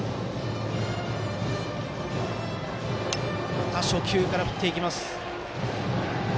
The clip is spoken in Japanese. また初球から振っていきます。